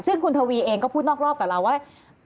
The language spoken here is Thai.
ซึ่งคุณทวีเองก็พูดนอกรอบกับเราว่า